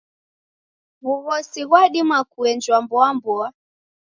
W'ughosi ghwadima kuenjwa mboamboa?